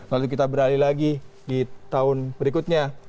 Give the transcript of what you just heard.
lalu kita beralih lagi di tahun berikutnya